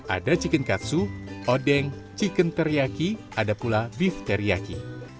ada chicken katsu odeng chicken teriyaki ada pula beef teriyaki